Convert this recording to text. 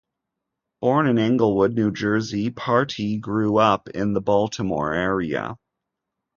Born in Englewood, New Jersey, Partee grew up in the Baltimore area.